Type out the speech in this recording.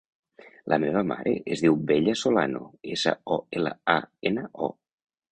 La meva mare es diu Bella Solano: essa, o, ela, a, ena, o.